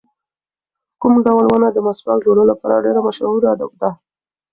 کوم ډول ونه د مسواک جوړولو لپاره ډېره مشهوره ده؟